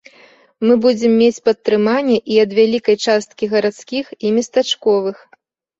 Мы будзем мець падтрыманне і ад вялікай часткі гарадскіх і местачковых.